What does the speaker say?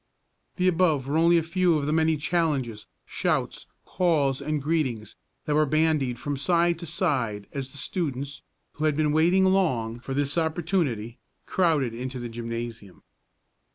The above were only a few of the many challenges, shouts, calls and greetings that were bandied from side to side as the students, who had been waiting long for this opportunity, crowded into the gymnasium.